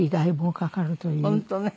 本当ね。